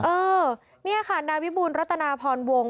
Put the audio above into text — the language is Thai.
เออนี่ค่ะนายวิบูรณรัตนาพรวง